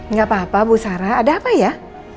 nggak apa apa bu sarah ada apa ya